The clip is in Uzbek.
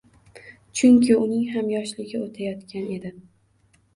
Chunki uning ham yoshligi o‘tayotgan edi…